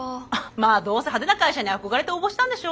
まあどうせ派手な会社に憧れて応募したんでしょ？